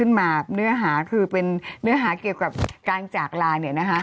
มาเนื้อหาคือเป็นเนื้อหาเกี่ยวกับการจากลาน